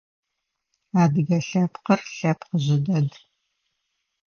Адыгэ лъэпкъыр лъэпкъ жъы дэд.